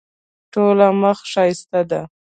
ټوله مخ ښایسته ده.